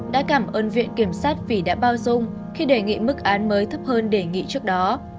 đã cảm ơn viện kiểm sát vì đã bao dung khi đề nghị mức án mới thấp hơn đề nghị trước đó